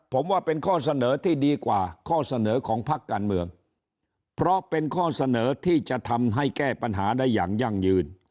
ผมว่าเป็นข้อเสนอที่ดีกว่าข้อเสนอของพักการเมืองเพราะเป็นข้อเสนอที่จะทำให้แก้ปัญหาได้อย่างยั่งยืน